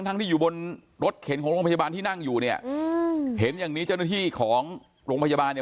ทั้งที่อยู่บนรถเข็นของโรงพยาบาลที่นั่งอยู่เนี่ยอืมเห็นอย่างนี้เจ้าหน้าที่ของโรงพยาบาลเนี่ย